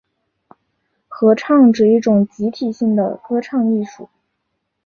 合唱指一种集体性的歌唱艺术。